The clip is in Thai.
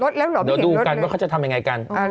เดี๋ยวดูกันว่าเขาจะทำยังไงกัน